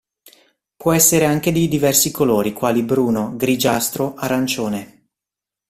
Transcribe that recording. Può essere anche di diversi colori quali bruno, grigiastro, arancione.